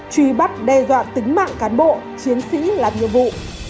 truy bắt đe dọa tính mạng cán bộ chiến sĩ làm nhiệm vụ